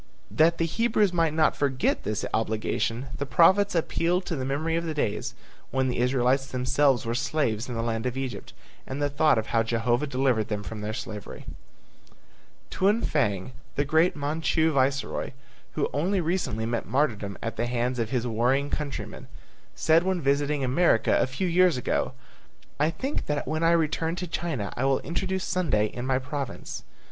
That the Hebrews might not forget this obligation, the prophets appealed to the memory of the days when the Israelites themselves were slaves in the land of Egypt and the thought of how Jehovah delivered them from their slavery. Tuan Fang, the great Manchu viceroy who only recently met martyrdom at the hands of his warring countrymen, said when visiting America a few years ago, "I think that when I return to China I will introduce Sunday in my province."